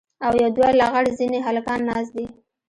او يو دوه لغړ زني هلکان ناست دي.